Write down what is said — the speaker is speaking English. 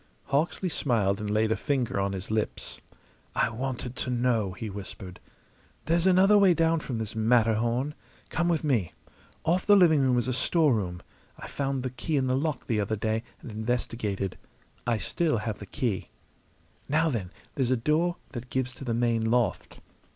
Hawksley smiled and laid a finger on his lips. "I wanted to know," he whispered. "There's another way down from this Matterhorn. Come with me. Off the living room is a storeroom. I found the key in the lock the other day and investigated. I still have the key. Now, then, there's a door that gives to the main loft.